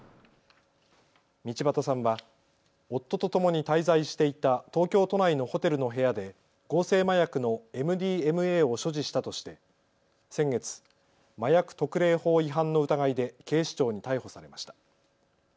道端さんは夫とともに滞在していた東京都内のホテルの部屋で合成麻薬のＭＤＭＡを所持したとして先月、麻薬特例法違反の疑いで警視庁に逮捕されました。